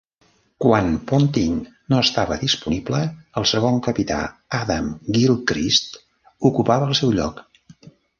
Quan Ponting no estava disponible, el segon capità Adam Gilchrist ocupava el seu lloc.